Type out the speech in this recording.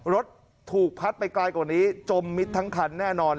รถถูกพัดไปไกลกว่านี้จมมิดทั้งคันแน่นอน